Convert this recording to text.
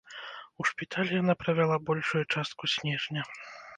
У шпіталі яна правяла большую частку снежня.